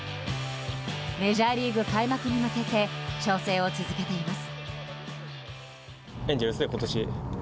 メジャーリーグ開幕に向けて調整を続けています。